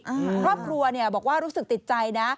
ครอบครัวบอกว่ารู้สึกติดใจ